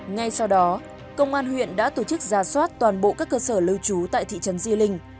ngay sau đó công an huyện đã tổ chức ra soát toàn bộ các cơ sở lưu trú tại thị trấn di linh